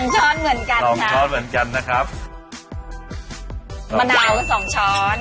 ๒ช้อนเหมือนกันครับมะนาว๒ช้อน